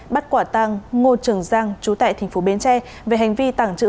bắt quả tang ngô trường giang trú tại tp bến tre về hành vi tảng trữ